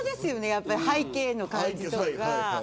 やっぱり背景の感じとか。